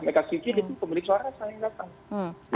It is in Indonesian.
mereka sikit itu pemilik suara salah yang datang